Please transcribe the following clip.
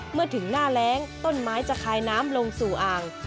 เมื่อถึงหน้าแรงต้นไม้จะคลายน้ำลงสู่อ่าง